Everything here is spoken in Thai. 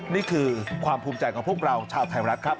นี่คือความภูมิใจของพวกเราชาวไทยรัฐครับ